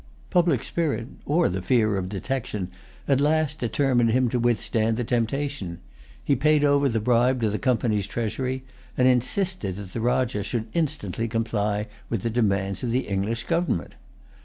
Public spirit, or the fear of detection, at last, determined him to withstand the temptation. He paid over the bribe to the Company's treasury, and insisted that the Rajah should instantly comply with the demands of the English government.